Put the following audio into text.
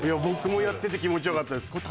僕もやってて気持ちよかったです。